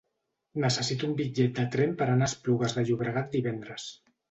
Necessito un bitllet de tren per anar a Esplugues de Llobregat divendres.